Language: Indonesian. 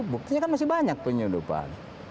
buktinya kan masih banyak penyelundupan